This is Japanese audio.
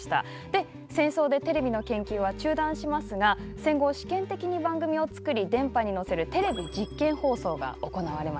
で戦争でテレビの研究は中断しますが戦後試験的に番組を作り電波に乗せるテレビ実験放送が行われました。